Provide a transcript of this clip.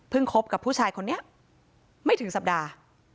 คบกับผู้ชายคนนี้ไม่ถึงสัปดาห์